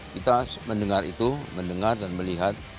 kita mendengar itu mendengar dan melihat